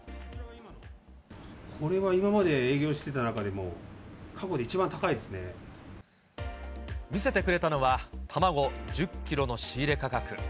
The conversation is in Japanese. これは今まで営業してた中でも、見せてくれたのは、卵１０キロの仕入れ価格。